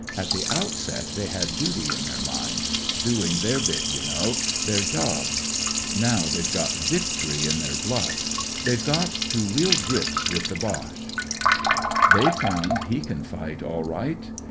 At the outset they had duty in theur minds, doing their bit, you know— their job. Now they've got victory in their blood. They've got to real grips with the Boche. The^ * re foimd he can fight all right.